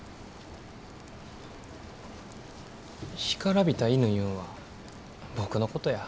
干からびた犬いうんは僕のことや。